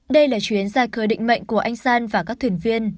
đây là chuyến ra khơi định mệnh của anh san và các thuyền viên